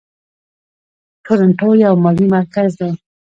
تورنټو یو مالي مرکز دی.